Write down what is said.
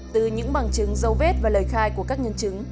từ những bằng chứng dấu vết và lời khai của các nhân chứng